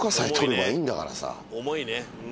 重いね。